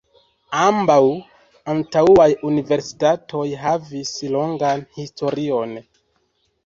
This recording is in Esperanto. Ambaŭ antaŭaj universitatoj havis longan historion.